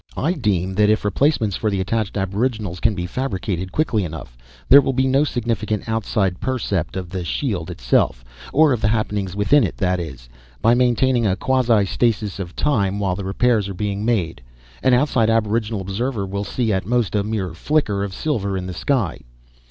I deem that if replacements for the attached aboriginals can be fabricated quickly enough, there will be no significant outside percept of the shield itself, or of the happenings within it that is, by maintaining a quasi stasis of time while the repairs are being made, an outside aboriginal observer will see, at most, a mere flicker of silver in the sky.